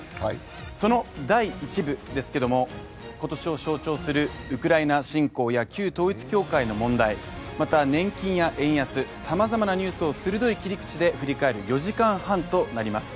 その第１部ですけれども今年を象徴するウクライナ侵攻や旧統一教会の問題、また年金や円安、さまざまなニュースを鋭い切り口で振り返る４時間半となります。